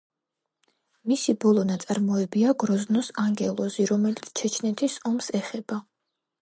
მისი ბოლო ნაწარმოებია „გროზნოს ანგელოზი“, რომელიც ჩეჩნეთის ომს ეხება.